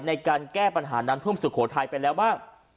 ในการแก้ปัญหาน้ำท่วมสุโขทัยไปแล้วบ้าง